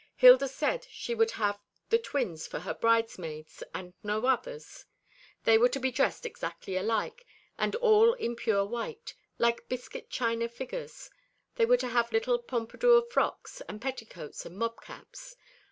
Hilda said she would have the twins for her bridesmaids, and no others. They were to be dressed exactly alike, and all in pure white, like biscuit china figures; they were to have little Pompadour frocks and petticoats and mob caps.